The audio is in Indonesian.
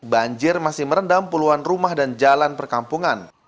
banjir masih merendam puluhan rumah dan jalan perkampungan